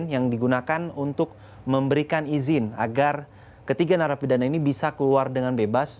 yang digunakan untuk memberikan izin agar ketiga narapidana ini bisa keluar dengan bebas